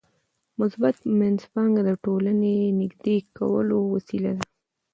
مثبت منځپانګه د ټولنې نږدې کولو وسیله ده.